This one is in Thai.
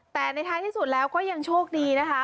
แต่ในท้ายที่สุดแล้วก็ยังโชคดีนะคะ